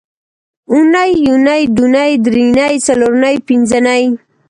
اونۍ یونۍ دونۍ درېنۍ څلورنۍ پینځنۍ